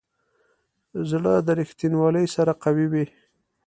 زړه د ریښتینولي سره قوي وي.